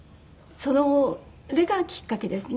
それがきっかけですね